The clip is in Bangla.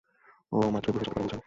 ওহ, মাত্রই ব্রুসের সাথে কথা বলছিলাম।